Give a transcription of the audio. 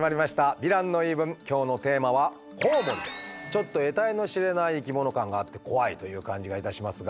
ちょっとえたいの知れない生き物感があって怖いという感じがいたしますが。